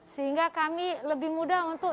sehingga kami lebih mudah untuk